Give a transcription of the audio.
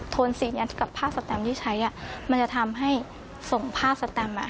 นซีแอนกับผ้าสแตมที่ใช้มันจะทำให้ส่งผ้าสแตมอ่ะ